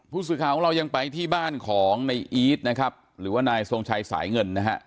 ผู้สื่อข่าวของเรายังไปที่บ้านของในอีทนะครับหรือว่านายทรงชัยสายเงินนะฮะ